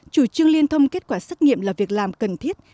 chủ trương liên thông kết quả xét nghiệm là việc làm cần thiết